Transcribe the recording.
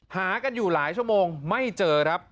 หากันอยู่หลายชั่วโมงไม่เจอครับ